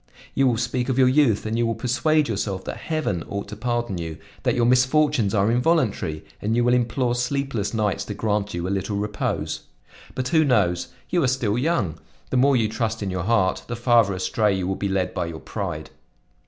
You will speak of your youth and you will persuade yourself that Heaven ought to pardon you, that your misfortunes are involuntary and you will implore sleepless nights to grant you a little repose. "But who knows? You are still young. The more you trust in your heart, the farther astray you will be lead by your pride.